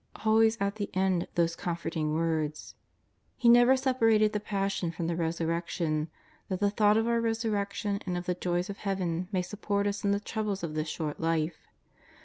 Always at the end those comforting words. He never separated the Pas sion from the Pesurrection, that the thought of our resurrection and of the joys of Heaven may support us in the troubles of this short life.